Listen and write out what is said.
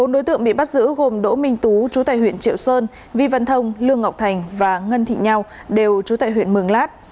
bốn đối tượng bị bắt giữ gồm đỗ minh tú chú tài huyện triệu sơn vi văn thông lương ngọc thành và ngân thị nhao đều trú tại huyện mường lát